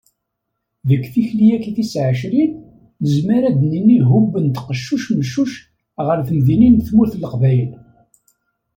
Deg tikli-agi tis ɛecrin, nezmer ad d-nini hubben-d qeccuc meccuc ɣer temdinin n tmurt n Leqbayel.